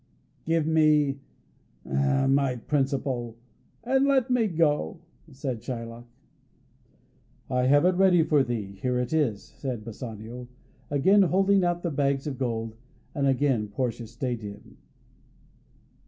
"Give me my principal, and let me go," said Shylock. "I have it ready for thee; here it is," said Bassanio, again holding out the bags of gold; and again Portia stayed him.